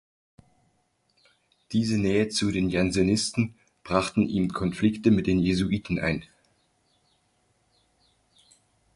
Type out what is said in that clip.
Diese Nähe zu den Jansenisten brachten ihm Konflikte mit den Jesuiten ein.